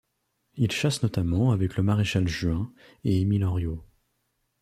Il chasse notamment avec le Maréchal Juin et Émile Henriot.